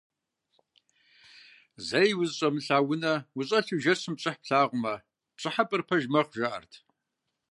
Зэи узыщӀэмылъа унэ ущӀэлъу жэщым пщӀыхь плъагъумэ, пщӀыхьэпӀэр пэж мэхъу, жаӀэрт.